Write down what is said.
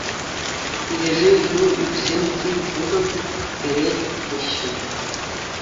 Пилеше юр ӳксен тин тутӑ кӗрет, теҫҫӗ.